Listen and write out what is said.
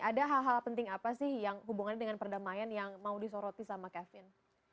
ada hal hal penting apa sih yang hubungannya dengan perdamaian yang mau disoroti sama kevin